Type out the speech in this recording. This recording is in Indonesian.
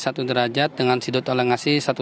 satu derajat dengan sudut elongasi satu